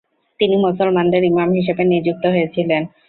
তিনি মুসলমানদের ইমাম হিসেবে নিযুক্ত হয়েছিলেন।